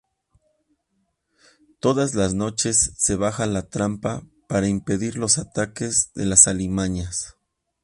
Todas las noches se baja la trampa, para impedir los ataques de las alimañas.